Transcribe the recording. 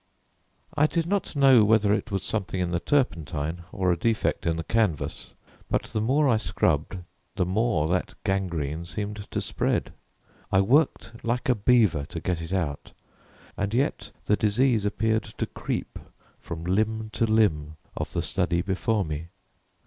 I did not know whether it was something in the turpentine or a defect in the canvas, but the more I scrubbed the more that gangrene seemed to spread. I worked like a beaver to get it out, and yet the disease appeared to creep from limb to limb of the study before me.